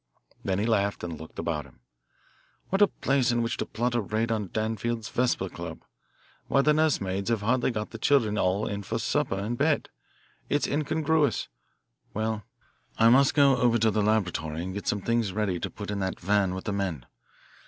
Then he laughed, as he looked about him. "What a place in which to plot a raid on Danfield's Vesper Club! Why, the nurse maids have hardly got the children all in for supper and bed. It's incongruous. Well, I must go over to the laboratory and get some things ready to put in that van with the men.